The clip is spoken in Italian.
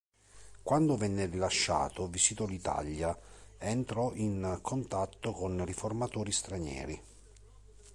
Quando venne rilasciato visitò l'Italia, è entrò in contatto con riformatori stranieri.